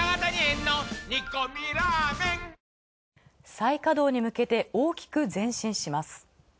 再稼動に向けて大きく前進します。